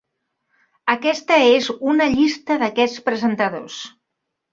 Aquesta és una llista d'aquests presentadors.